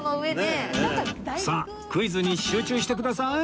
さあクイズに集中してください